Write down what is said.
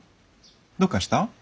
どうかした？